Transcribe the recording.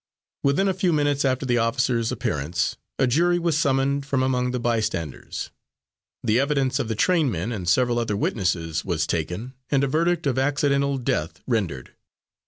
Within a few minutes after the officer's appearance, a jury was summoned from among the bystanders, the evidence of the trainmen and several other witnesses was taken, and a verdict of accidental death rendered.